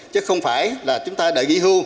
chứ không phải là chúng ta đã kỳ hưu